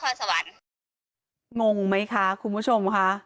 น้องหนูไม่ได้เอากระเทยค่ะ